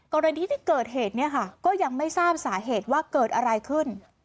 กรณีที่เกิดเหตุเนี่ยค่ะก็ยังไม่ทราบสาเหตุว่าเกิดอะไรขึ้น